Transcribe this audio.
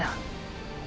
saya mau pergi